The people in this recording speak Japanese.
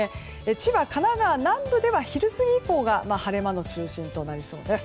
千葉、神奈川南部では昼過ぎ以降が晴れ間の中心となりそうです。